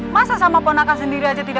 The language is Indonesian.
masa sama ponaka sendiri aja tinggal